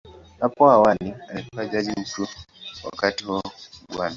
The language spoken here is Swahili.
Hapo awali alikuwa Jaji Mkuu, wakati huo Bw.